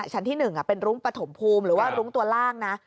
ชั้นที่๑เป็นรุ้งปฐมภูมิหรือว่ารุ้งตัวล่างนะ